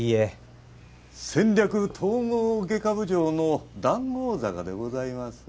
戦略統合外科部長の談合坂でございます。